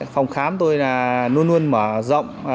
phòng khám tôi là luôn luôn mở rộng